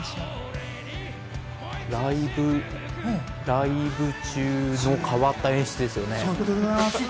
ライブ中の変わった演出ですよね。